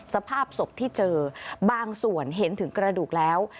สภาพศพที่เจอบางส่วนเห็นถึงกระดูกแล้ว